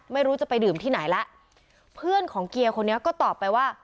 ไม่รู้จะไปดื่มที่ไหนแล้วเพื่อนของเกียร์คนนี้ก็ตอบไปว่า